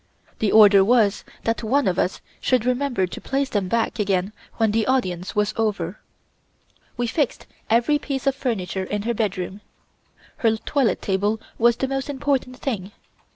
The order was that one of us should remember to place them back again when the audience was over. We fixed every piece of furniture in her bedroom. Her toilet table was the most important thing.